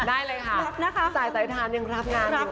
ได้เลยค่ะสายสายทานยังรับงานรับ